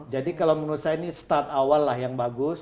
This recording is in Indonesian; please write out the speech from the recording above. jadi kalau menurut saya ini start awal lah yang bagus